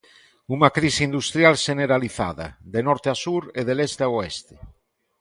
Unha crise industrial xeneralizada, de norte a sur e de leste a oeste.